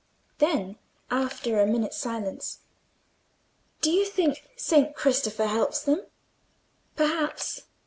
Then, after a minute's silence, "Do you think Saint Christopher helps them?" "Perhaps.